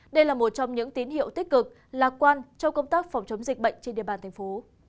đây là một trong những tín hiệu tích cực lạc quan trong công tác phòng chống dịch bệnh trên địa bàn thành phố